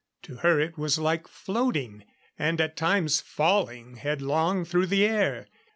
To her it was like floating, and at times falling headlong through the air.